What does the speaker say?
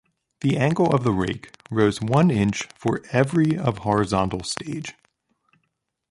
The angle of the rake rose one inch for every of horizontal stage.